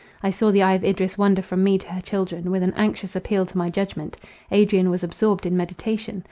I saw the eye of Idris wander from me to her children, with an anxious appeal to my judgment. Adrian was absorbed in meditation.